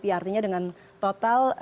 artinya dengan total rp lima ratus miliar